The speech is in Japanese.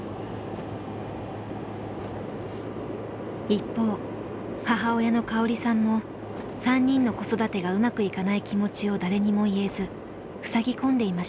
一方母親の香織さんも３人の子育てがうまくいかない気持ちを誰にも言えずふさぎ込んでいました。